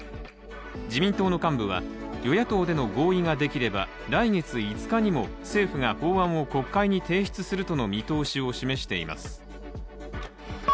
自民党の幹部は、与野党での合意ができれば来月５日にも政府が法案を国会に提出するとの見通しを示しています。